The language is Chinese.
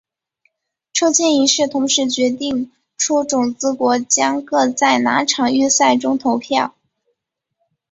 抽签仪式同时决定出种子国将各在哪场预赛中投票。